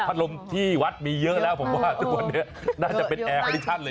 ลมที่วัดมีเยอะแล้วผมว่าทุกวันนี้น่าจะเป็นแอร์คอดิชั่นเลย